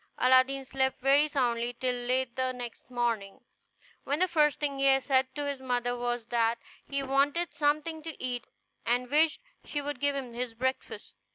Aladdin slept very soundly till late the next morning, when the first thing he said to his mother was that he wanted something to eat, and wished she would give him his breakfast.